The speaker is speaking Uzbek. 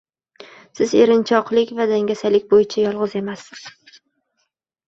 Siz erinchoqlik va dangasalik bo’yicha yolg’iz emassiz!